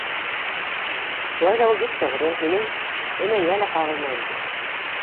Шулай ҙа ул бик тоғро, һинең энәңә лә ҡағылмай инде.